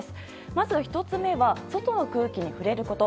まず１つ目は外の空気に触れること。